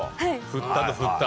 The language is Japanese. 「振った」と「ふった」。